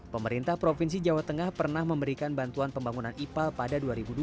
pemerintah provinsi jawa tengah pernah memberikan bantuan pembangunan ipal pada dua ribu dua belas